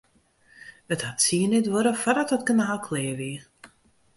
It hat tsien jier duorre foardat it kanaal klear wie.